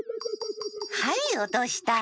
はいおとした。